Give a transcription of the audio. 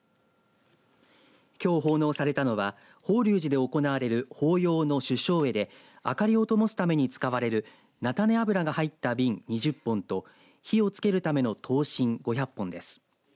きょう奉納されたのは法隆寺で行われる法要の修正会で明かりをともすために使われる菜種油が入った瓶２０本と火をつけるための灯芯５００本です。